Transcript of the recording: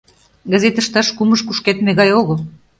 Газет ышташ кумыж кушкедме гай огыл.